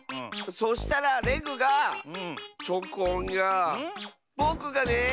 そしたらレグがチョコンがぼくがね